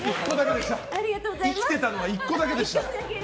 生きてたのは１個だけでした。